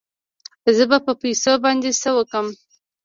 زه به په پيسو باندې څه وکم.